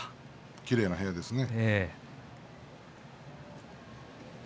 きれいな部屋ですね。